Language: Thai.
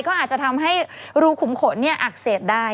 ก็อาจจะทำให้รูขุมขนอักเสบได้